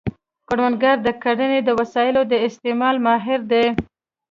کروندګر د کرنې د وسایلو د استعمال ماهر دی